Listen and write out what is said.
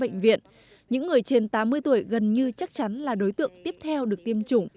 những người trên tám mươi tuổi gần như chắc chắn là đối tượng tiếp theo được tiêm chủng